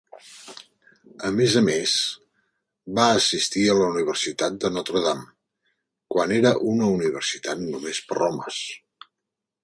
A més a més, va assistir a la Universitat de Notre Dame, quan era una universitat només per homes.